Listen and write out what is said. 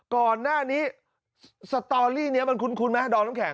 ก่อนหน้านี้สตอรี่เนี่ยมันคุ้มมั้ยดองซูอาแข็ง